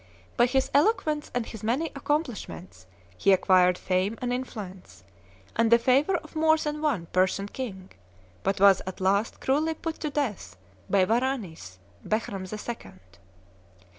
By his eloquence and his many accomplishments he acquired fame and influence, and the favour of more than one Persian king, but was at last cruelly put to death by Varanes [Behram] the Second.